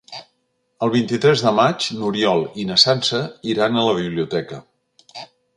El vint-i-tres de maig n'Oriol i na Sança iran a la biblioteca.